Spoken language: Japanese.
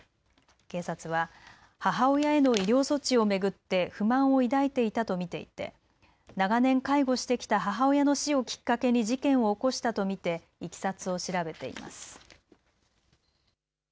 警察は母親への医療措置を巡って不満を抱いていたと見ていて長年、介護してきた母親の死をきっかけに事件を起こしたと見ていきさつを調べています。